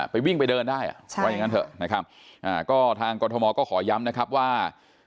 ไปวิ่งไปเดินได้เพราะอย่างนั้นเถอะทางกฎธมก็ขอย้ำนะครับว่า